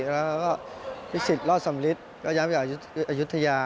แล้วก็พิสิทธิรอดสำลิดก็ย้ายไปอายุทยา